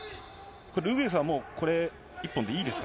これ、ウグエフはこれ、一本でいいですか？